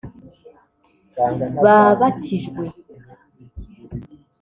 babatijwe